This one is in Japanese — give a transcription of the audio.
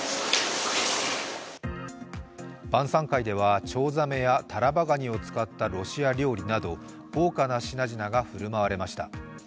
晩さん会ではチョウザメやタラバガニを使ったロシア料理など豪華な品々が振る舞われました。